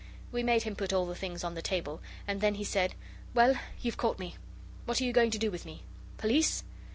We made him put all the things on the table, and then he said 'Well, you've caught me; what are you going to do with me? Police?